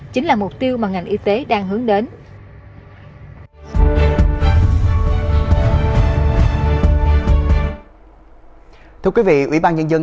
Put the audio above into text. chính là mục tiêu mà ngành y tế đang hướng đến